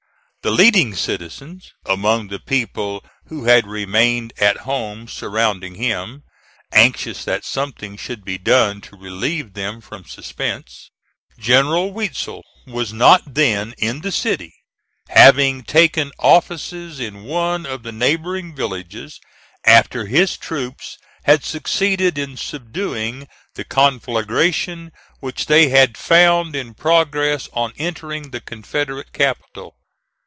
The leading citizens among the people who had remained at home surrounded him, anxious that something should be done to relieve them from suspense. General Weitzel was not then in the city, having taken offices in one of the neighboring villages after his troops had succeeded in subduing the conflagration which they had found in progress on entering the Confederate capital.